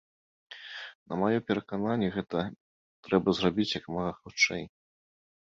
На маё перакананне гэта трэба зрабіць як мага хутчэй.